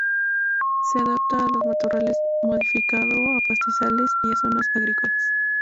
Se adapta a los matorrales modificado, a pastizales y a zonas agrícolas.